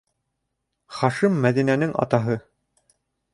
Хашим Мәҙинәнең атаһы.